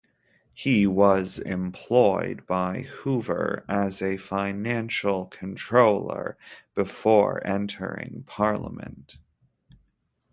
He was employed by Hoover as a financial controller before entering parliament.